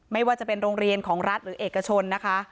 ไม่ว่าจะเป็นโรงเรียนของรัฐหรือเอกชนนะคะ